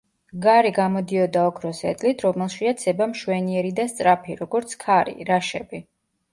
გარე გამოდიოდა ოქროს ეტლით, რომელშიაც ება მშვენიერი და სწრაფი, როგორც ქარი, რაშები.